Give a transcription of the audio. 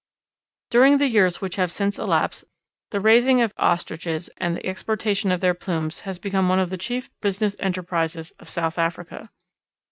During the years which have since elapsed, the raising of Ostriches and the exportation of their plumes has become one of the chief business enterprises of South Africa.